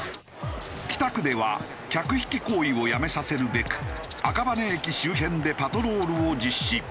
北区では客引き行為をやめさせるべく赤羽駅周辺でパトロールを実施。